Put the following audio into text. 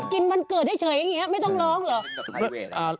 วันเกิดเฉยอย่างนี้ไม่ต้องร้องเหรอ